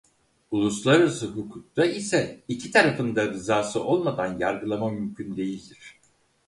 Uluslararası hukukta ise iki tarafın da rızası olmadan yargılama mümkün değildir.